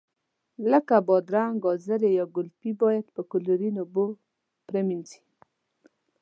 لکه بادرنګ، ګازرې یا ګلپي باید په کلورین اوبو پرېمنځي.